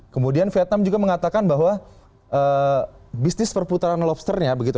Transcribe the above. kemudian vietnam juga mengatakan bahwa bisnis perputaran lobsternya begitu